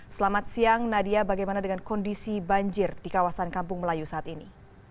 selamat siang nadia bagaimana dengan kondisi banjir di kawasan kampung melayu saat ini